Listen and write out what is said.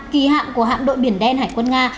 kỳ hạng của hạm đội biển đen hải quân nga